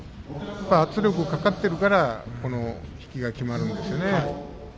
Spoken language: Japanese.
圧力がかかっているから引きが決まるんですよね。